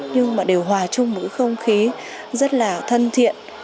nhưng mà đều hòa chung một không khí rất là thân thiện